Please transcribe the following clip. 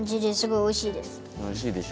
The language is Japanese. おいしいでしょ。